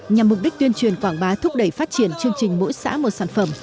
nhằm mục đích tuyên truyền quảng bá thúc đẩy phát triển chương trình mỗi xã một sản phẩm